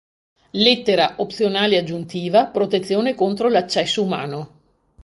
Lettera opzionale aggiuntiva, protezione contro l'accesso umano.